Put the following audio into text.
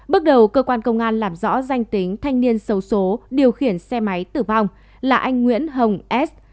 bước đầu cơ quan công an làm rõ danh tính thanh niên xấu số điều khiển xe máy tử vong là anh nguyễn hồng s